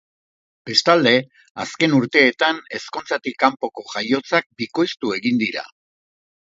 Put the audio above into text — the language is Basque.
Bestalde, azken urteetan ezkontzatik kanpoko jaiotzak bikoiztu egin dira.